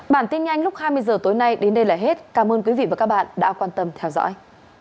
bản tin nhanh lúc hai mươi h tối nay đến đây là hết cảm ơn quý vị và các bạn đã quan tâm theo dõi